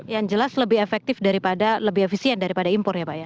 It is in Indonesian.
yang jelas lebih efektif daripada lebih efisien daripada impor ya pak ya